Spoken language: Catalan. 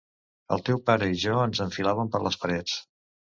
El teu pare i jo ens enfilàvem per les parets.